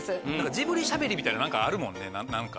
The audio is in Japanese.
ジブリしゃべりみたいなのあるもんね何か。